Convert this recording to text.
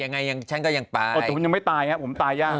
ยังไงชั้นก็ยังไปอ่ะแต่ผมยังไม่ตายอ่ะผมตายยาก